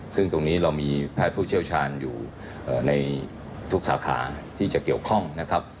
ซึ่งตรงนี้เรามีแพทย์ผู้เชี่ยวชาญอยู่ในทุกสาขาที่จะเกี่ยวข้องนะครับ